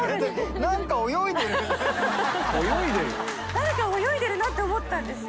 何か泳いでるなって思ったんですよ。